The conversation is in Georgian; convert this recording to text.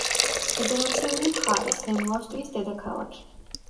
ფედერაციული მხარის, ზემო ავსტრიის დედაქალაქი.